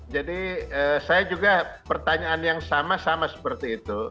saya juga pertanyaan yang sama sama seperti itu